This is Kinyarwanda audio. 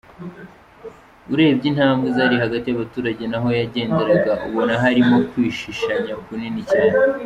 Urebye intambwe zari hagati y’abaturage naho yagenderaga ubona harimo kwishishanya kunini cyane.